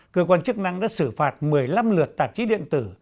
cơ quan chức năng đã xử phạt một mươi năm lượt tạp chí điện tử